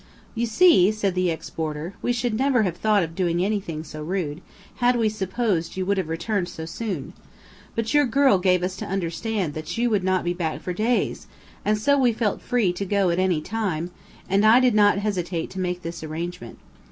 "You see," said the ex boarder, "we should never have thought of doing anything so rude, had we supposed you would have returned so soon. But your girl gave us to understand that you would not be back for days, and so we felt free to go at any time; and I did not hesitate to make this arrangement.